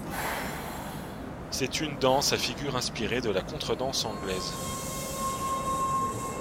C'est une danse à figures inspirée de la contredanse anglaise.